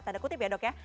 tanda kutip ya dok ya